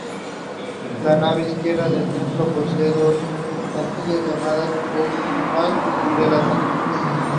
Jones has also written for The Irish Times on mental health.